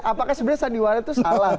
apakah sebenarnya sandiwara itu salah